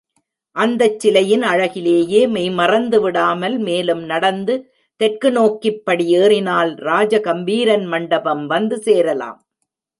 அந்தச் சிலையின் அழகிலேயே மெய்மறந்து விடாமல் மேலும் நடந்து தெற்கு நோக்கிப் படி ஏறினால் ராஜகம்பீரன் மண்டபம் வந்துசேரலாம்.